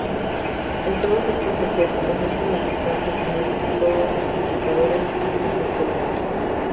En todos estos ejemplos es fundamental definir los indicadores a monitorear.